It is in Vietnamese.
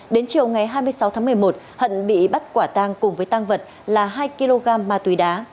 đến chiều ngày hai mươi sáu tháng một mươi một hận bị bắt quả tang cùng với tăng vật là hai kg ma túy đá